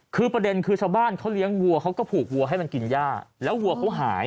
คือประเด็นคือชาวบ้านเขาเลี้ยงวัวเขาก็ผูกวัวให้มันกินย่าแล้ววัวเขาหาย